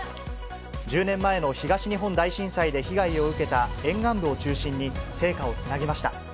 １０年前の東日本大震災で被害を受けた沿岸部を中心に聖火をつなぎました。